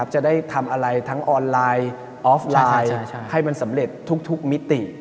จะได้ทำอะไรทั้งออนไลน์ออฟไลน์ให้มันสำเร็จทุกมิติ